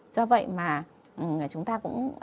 cho vậy mà chúng ta cũng